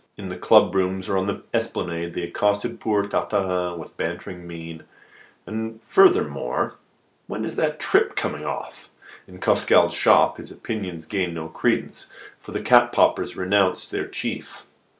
In the club rooms or on the esplanade, they accosted poor Tartarin with bantering mien: "And furthermore, when is that trip coming off?" In Costecalde's shop, his opinions gained no credence, for the cap poppers renounced their chief!